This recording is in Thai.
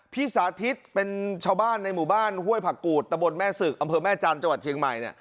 สาธิตเป็นชาวบ้านในหมู่บ้านห้วยผักกูดตะบนแม่ศึกอำเภอแม่จันทร์จังหวัดเชียงใหม่เนี่ย